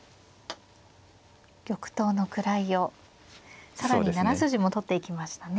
玉頭の位を更に７筋も取っていきましたね。